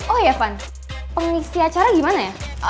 oh ya van pengisi acara gimana ya